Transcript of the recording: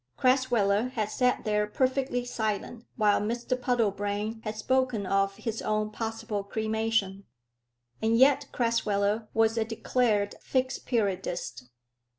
Crasweller had sat there perfectly silent while Mr Puddlebrane had spoken of his own possible cremation. And yet Crasweller was a declared Fixed Periodist.